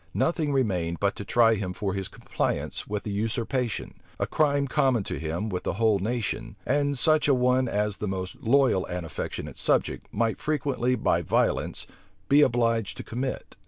Nothing remained but to try him for his compliance with the usurpation; a crime common to him with the whole nation, and such a one as the most loyal and affectionate subject might frequently by violence be obliged to commit.